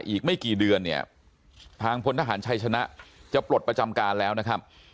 อีกไม่กี่เดือนเนี่ยทางพลทหารชัยชนะจะปลดประจำการแล้วนะครับ